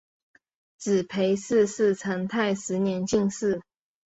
子裴栻是成泰十年进士。